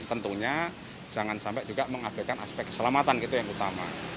tentunya jangan sampai juga mengabaikan aspek keselamatan gitu yang utama